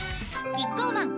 キッコーマン